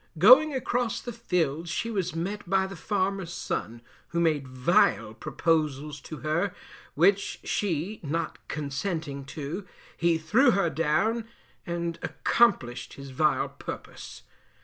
Going across the fields she was met by the farmer's son, who made vile proposals to her, which she not consenting to, he threw her down, and accomplished his vile purpose.